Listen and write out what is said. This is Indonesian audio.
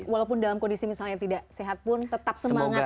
walaupun dalam kondisi misalnya tidak sehat pun tetap semangat